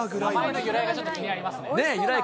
由来がちょっと気になります